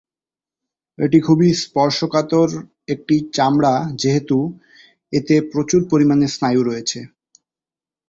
এটি খুবই স্পর্শকাতর একটি চামড়া যেহেতু এতে প্রচুর পরিমাণে স্নায়ু রয়েছে।